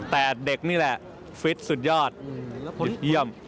แต่เด็กนี่แหละฟิตสุดยอดฮิตเยี่ยม